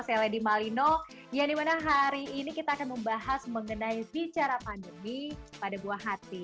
saya lady malino yang dimana hari ini kita akan membahas mengenai bicara pandemi pada buah hati